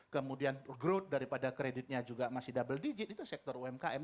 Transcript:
kemudian growth daripada kreditnya juga masih double digit itu sektor umkm